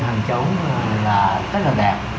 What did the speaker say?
trang trí hàng trống là rất là đẹp